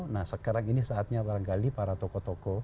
nah sekarang ini saatnya barangkali para tokoh tokoh